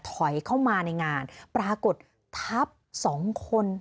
ถอยเข้ามาในงานปรากฏทับสองคน